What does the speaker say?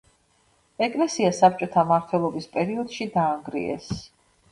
ეკლესია საბჭოთა მმართველობის პერიოდში დაანგრიეს.